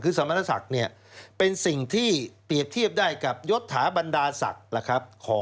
คือสำมณะศักดิ์เป็นสิ่งที่เปรียบเทียบได้กับยศถาบรรดาศักดิ์